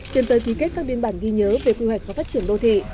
tiến tới ký kết các biên bản ghi nhớ về quy hoạch và phát triển đô thị